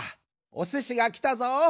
おすしがきたぞ。